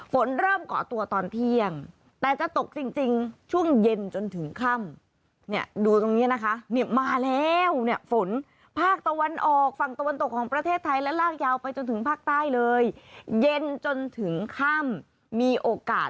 ฝนเริ่มก่อตัวตอนเที่ยงแต่จะตกจริงช่วงเย็นจนถึงค่ำ